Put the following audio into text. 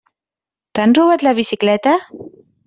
T'han robat la bicicleta?